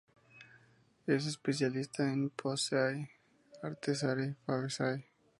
Es especialista en Poaceae, Asteraceae, Fabaceae.